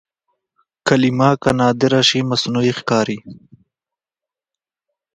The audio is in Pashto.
کلمه که نادره شي مصنوعي ښکاري.